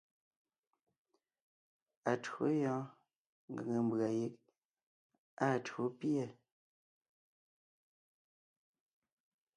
Atÿǒ yɔɔn ngʉ̀ŋe mbʉ̀a yeg áa tÿǒ pîɛ.